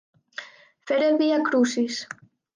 Fer el viacrucis.